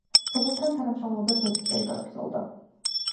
რომელთან თანამშრომლობაც ოცი წელი გაგრძელდა.